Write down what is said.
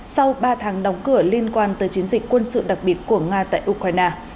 sau ba tháng đóng cửa liên quan tới chiến dịch quân sự đặc biệt của nga tại ukraine